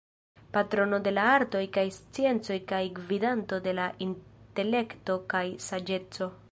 Patrono de la artoj kaj sciencoj kaj gvidanto de la intelekto kaj saĝeco.